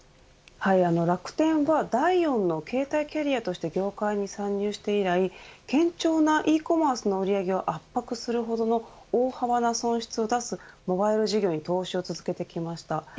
楽天は第４の携帯キャリアとして業界に参入して以来堅調なｅコマースの売り上げを圧迫するほどの大幅な損失を出すモバイル事業に投資を続けてきました。